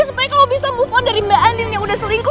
supaya kalau bisa move on dari mbak anin yang udah selingkuh